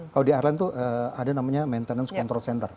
kalau di airline itu ada namanya maintenance control center